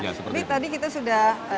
ini tadi kita sudah